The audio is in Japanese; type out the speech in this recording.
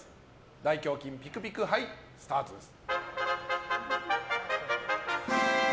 大胸筋ピクピク杯、スタートです。